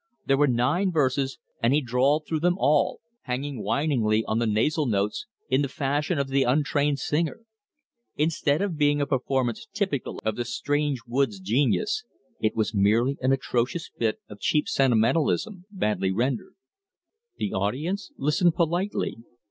There were nine verses, and he drawled through them all, hanging whiningly on the nasal notes in the fashion of the untrained singer. Instead of being a performance typical of the strange woods genius, it was merely an atrocious bit of cheap sentimentalism, badly rendered. The audience listened politely.